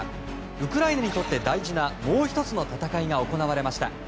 ウクライナにとって大事なもう１つの戦いが行われました。